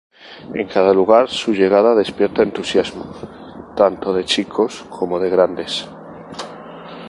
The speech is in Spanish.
En cada lugar su llegada despierta entusiasmo, tanto de chicos como de grandes.